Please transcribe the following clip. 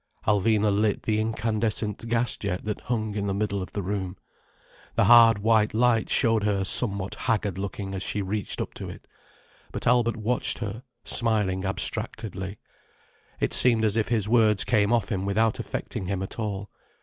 Alvina lit the incandescent gas jet that hung in the middle of the room. The hard white light showed her somewhat haggard looking as she reached up to it. But Albert watched her, smiling abstractedly. It seemed as if his words came off him without affecting him at all.